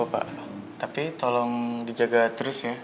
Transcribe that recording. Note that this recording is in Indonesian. udah kita jalan